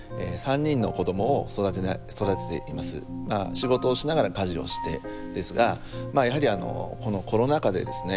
仕事をしながら家事をしているんですがまあやはりあのこのコロナ禍でですね